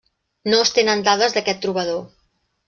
No es tenen dades d'aquest trobador.